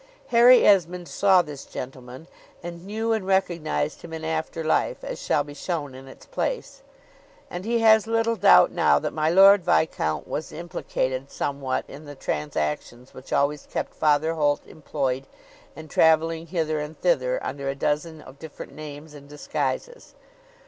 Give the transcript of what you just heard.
Harry Esmond saw this gentleman, and knew and recognized him in after life, as shall be shown in its place; and he has little doubt now that my Lord Viscount was implicated somewhat in the transactions which always kept Father Holt employed and travelling hither and thither under a dozen of different names and disguises.